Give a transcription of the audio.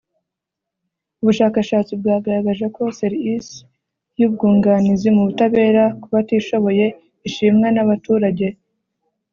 Ubushakashatsi bwagaragaje ko ser isi y ubwunganizi mu butabera ku batishoboye ishimwa n abaturage